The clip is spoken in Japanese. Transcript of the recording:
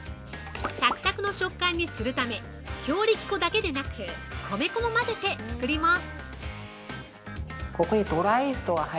サクサクの食感にするため強力粉だけでなく米粉も混ぜて作ります！